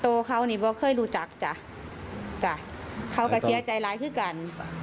โตเขานี่ก็ไม่เคยรู้จักจ้ะเขาก็เสียใจร้ายคือกัน